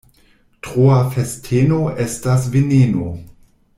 Troa festeno estas veneno.